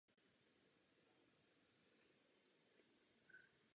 Pobýval také na Slovensku.